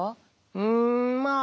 うんまあ